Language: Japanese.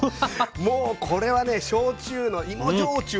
もうこれはね焼酎の芋焼酎のね